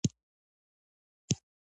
د هندي مکتب محبوب ته